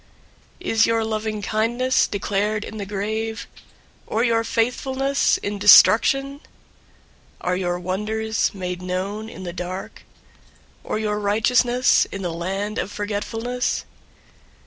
088:011 Is your loving kindness declared in the grave? Or your faithfulness in Destruction? 088:012 Are your wonders made known in the dark? Or your righteousness in the land of forgetfulness?